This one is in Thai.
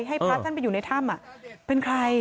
ให้พระท่านไปอยู่ในถ้ำเป็นใคร